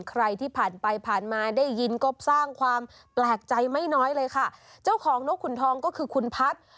ใครที่ผ่านไปผ่านมาได้ยินก็สร้างความแปลกใจไม่น้อยเลยค่ะเจ้าของนกขุนทองก็คือคุณพัฒน์